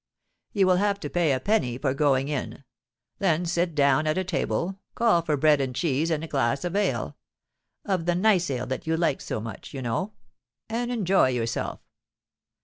You will have to pay a penny for going in. Then sit down at a table, call for bread and cheese and a glass of ale—of the nice ale that you like so much, you know; and enjoy yourself.